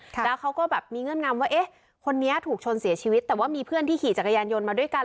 แล้วเขาก็แบบมีเงื่อนงำว่าเอ๊ะคนนี้ถูกชนเสียชีวิตแต่ว่ามีเพื่อนที่ขี่จักรยานยนต์มาด้วยกัน